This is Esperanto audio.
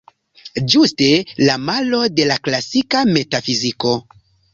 Ĝuste la malo de la klasika metafiziko.